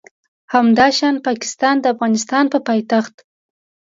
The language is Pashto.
همداشان پاکستان د افغانستان په پایتخت